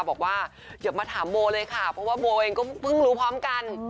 บอกว่าอย่ามาถามโบเลยค่ะเพราะว่าโบเองก็เพิ่งรู้พร้อมกัน